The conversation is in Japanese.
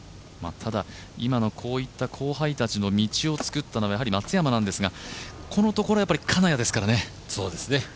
ただ、今のこういった後輩たちの道を作ったのが松山なんですがこのところ金谷ですからね。